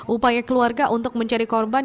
upaya keluarga untuk mencari korban